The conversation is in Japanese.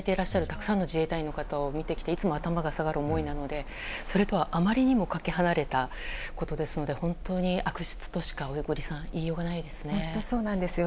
たくさん自衛隊の方を見てきていつも頭が下がる思いなのでそれとはあまりにもかけ離れたことですので本当に悪質としか言いようがないですね、小栗さん。